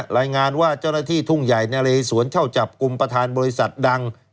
รายงานว่าเจ้าหน้าที่ทุ่งใหญ่นะเลสวนเช่าจับกลุ่มประธานบริษัทดัง